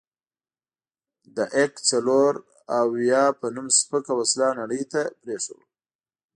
د اک څلوراویا په نوم سپکه وسله نړۍ ته پرېښوده.